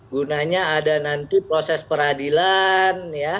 gunanya ada nanti proses peradilan